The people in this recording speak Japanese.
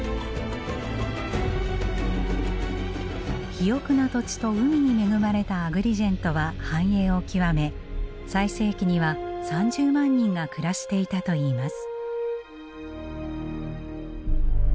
肥沃な土地と海に恵まれたアグリジェントは繁栄を極め最盛期には３０万人が暮らしていたといいます。